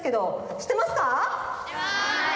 しってます！